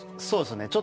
そうですね。